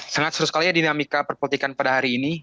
sangat seru sekali dinamika perpulihkan pada hari ini